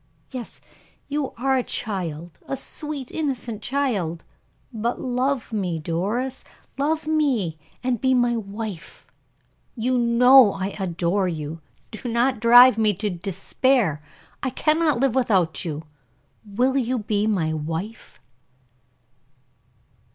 "Yes, you are a child a sweet, innocent child. But love me, Doris. Love me and be my wife. You know I adore you. Do not drive me to despair. I cannot live without you! Will you be my wife?"